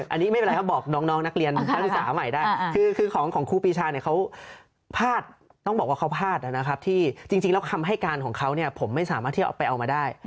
อันนี้ไม่เป็นไรครับบอกน้องนักเรียนนักศึกษาใหม่ได้คือของครูปีชาเนี่ยเขาพลาดต้องบอกว่าเขาพลาดนะครับที่จริงแล้วคำให้การของเขาเนี่ยผมไม่สามารถที่เอาไปเอามาได้